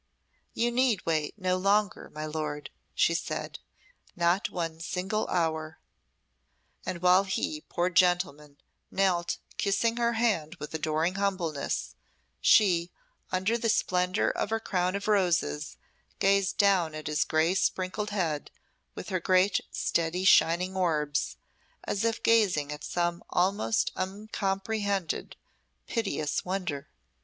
"You need wait no longer, my lord," she said "not one single hour." And while he, poor gentleman, knelt, kissing her hand with adoring humbleness, she, under the splendour of her crown of roses, gazed down at his grey sprinkled head with her great steady shining orbs, as if gazing at some almost uncomprehended piteous wonder.